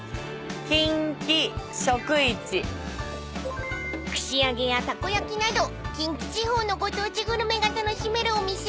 「近畿食市」［串揚げやたこ焼きなど近畿地方のご当地グルメが楽しめるお店］